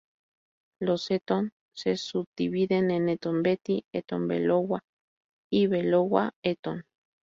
Los Eton se subdividen en Eton-Beti, Eton-Beloua y Beloua-Eton.